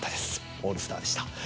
オールスターでした。